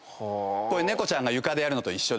これ猫ちゃんが床でやるのと一緒ですね。